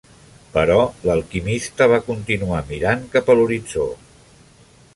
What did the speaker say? Però l'alquimista va continuar mirant cap a l'horitzó.